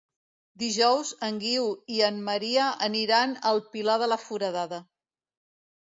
Dijous en Guiu i en Maria aniran al Pilar de la Foradada.